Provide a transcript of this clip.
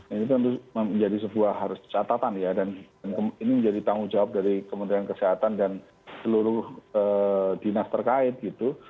ini tentu menjadi sebuah harus catatan ya dan ini menjadi tanggung jawab dari kementerian kesehatan dan seluruh dinas terkait gitu